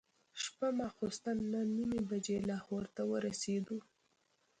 شپه ماخوستن نهه نیمې بجې لاهور ته ورسېدو.